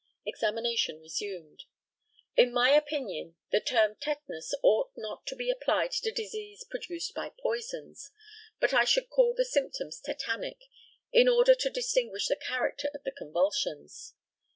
Examination resumed: In my opinion, the term "tetanus" ought not to be applied to disease produced by poisons; but I should call the symptoms tetanic, in order to distinguish the character of the convulsions.